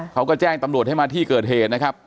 เขาก็แจ้งตำรวจให้มาที่เกิดเหตุนะครับ